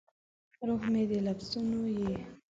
روح مې د لفظونو یې